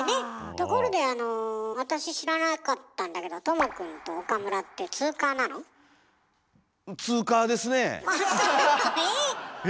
ところであの私知らなかったんだけどとも君と岡村ってツーカーですねえ。